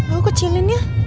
aku kecilin ya